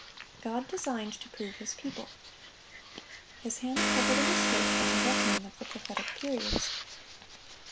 God designed to prove His people. His hand covered a mistake in the reckoning of the prophetic periods.